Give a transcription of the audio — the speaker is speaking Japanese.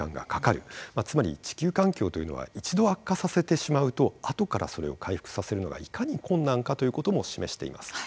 まあつまり地球環境というのは一度悪化させてしまうと後からそれを回復させるのがいかに困難かということも示しています。